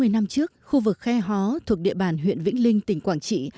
sáu mươi năm trước khu vực khe hó thuộc địa bàn huyện vĩnh linh tỉnh quảng trị